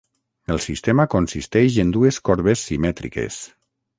El sistema consisteix en dues corbes simètriques.